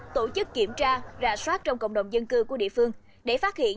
tổ chức kiểm tra rà soát trong cộng đồng dân cư của địa phương để phát hiện